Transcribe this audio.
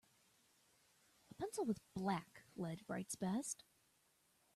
A pencil with black lead writes best.